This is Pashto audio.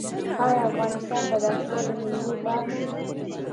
آیا افغانستان به د اسیا د میوو باغ شي؟